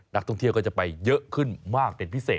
นักท่องเที่ยวก็จะไปเยอะขึ้นมากเป็นพิเศษ